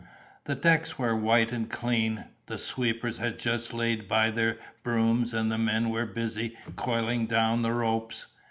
The decks were white and clean, the sweepers had just laid by their brooms, and the men were busy coiling down the ropes.